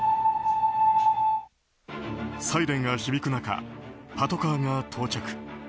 サイレンが響く中パトカーが到着。